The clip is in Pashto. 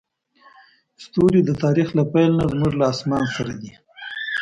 ستوري د تاریخ له پیل نه زموږ له اسمان سره دي.